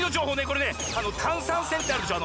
これね炭酸泉ってあるでしょ。